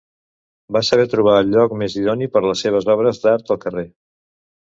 Va saber trobar el lloc més idoni per les seves obres d’art, el carrer.